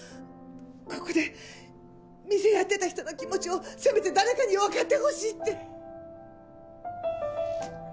ここで店やってた人の気持ちをせめて誰かにわかってほしいって。